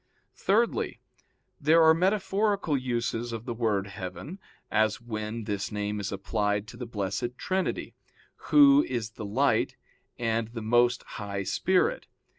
Thirdly, there are metaphorical uses of the word heaven, as when this name is applied to the Blessed Trinity, Who is the Light and the Most High Spirit.